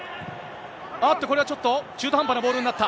あっと、これはちょっと、中途半端なボールになった。